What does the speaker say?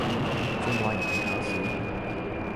仲話人哋搞事？